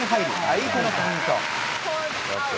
相手のポイント。